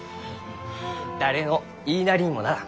誰の言いなりにもならん。